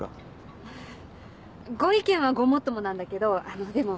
ハハご意見はごもっともなんだけどあのでも。